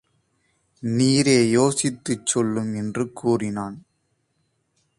நீரே யோசித்துச் சொல்லும் என்று கூறினான்.